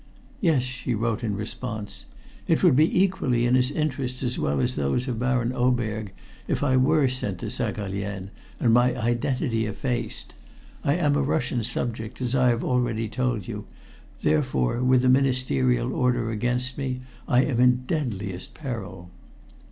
"Yes," she wrote in response. "It would be equally in his interests as well as those of Baron Oberg if I were sent to Saghalien and my identity effaced. I am a Russian subject, as I have already told you, therefore with a Ministerial order against me I am in deadliest peril."